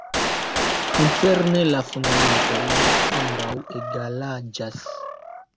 Koncerne la fundamentojn ambaŭ egalaĝas.